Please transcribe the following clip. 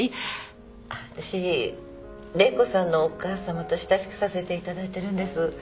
私玲子さんのお母さまと親しくさせていただいてるんです。